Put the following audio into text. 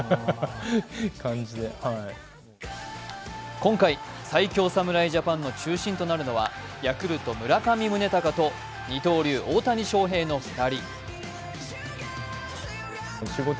今回、最強侍ジャパンの中心となるのはヤクルト・村上宗隆と二刀流・大谷翔平の２人。